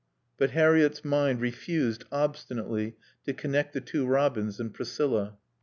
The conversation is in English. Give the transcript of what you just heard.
But Harriett's mind refused, obstinately, to connect the two Robins and Priscilla.